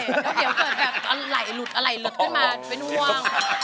เดี๋ยวเกิดแบบไหล่หลุดไหล่หลุดขึ้นมาเป็นห่วง